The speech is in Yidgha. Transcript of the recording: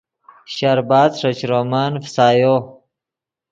شربَت ݰے چرومن فسایو